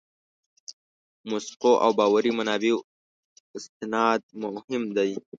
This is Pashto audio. موثقو او باوري منابعو استناد مهم دی.